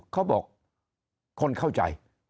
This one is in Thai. เขาบอกคนเข้าใจ